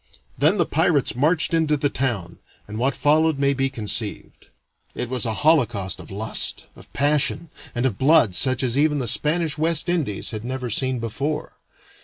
Then the pirates marched into the town, and what followed may be conceived. It was a holocaust of lust, of passion, and of blood such as even the Spanish West Indies had never seen before.